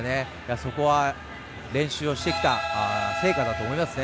そこは練習をしてきた成果だと思いますね。